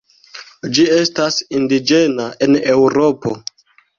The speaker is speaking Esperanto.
Ĝi estas indiĝena en Eŭropo.